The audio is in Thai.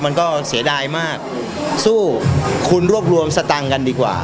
มันก็เสียดายมากสู้คุณรวบรวมสตังค์กันดีกว่า